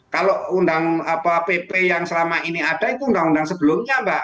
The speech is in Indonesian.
kalau undang pp yang selama ini ada itu undang undang sebelumnya mbak